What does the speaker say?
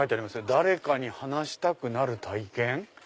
「誰かにはなしたくなる体験」。